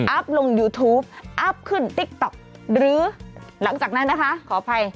ลงยูทูปอัพขึ้นติ๊กต๊อกหรือหลังจากนั้นนะคะขออภัย